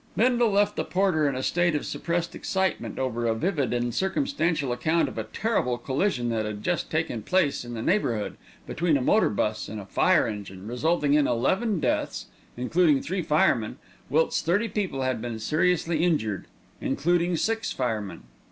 Bindle left the porter in a state of suppressed excitement over a vivid and circumstantial account of a terrible collision that had just taken place in the neighbourhood, between a motor bus and a fire engine, resulting in eleven deaths, including three firemen, whilst thirty people had been seriously injured, including six firemen.